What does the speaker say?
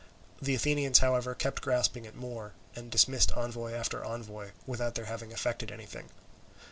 The Athenians, however, kept grasping at more, and dismissed envoy after envoy without their having effected anything.